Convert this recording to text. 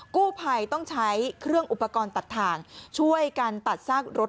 กู้ภัยต้องใช้เครื่องอุปกรณ์ตัดทางช่วยกันตัดซากรถ